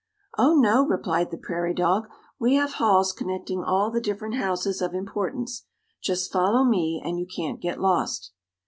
"Oh, no," replied the prairie dog, "we have halls connecting all the different houses of importance. Just follow me, and you can't get lost."